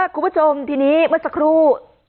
คุณผู้ชมทีนี้เมื่อสักครู่